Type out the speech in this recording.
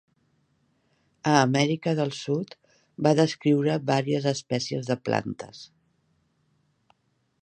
A Amèrica del Sud, va descriure vàries espècies de plantes.